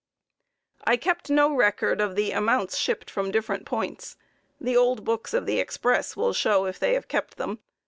I kept no record of the amounts shipped from different points. The old books of the express will show if they have kept them.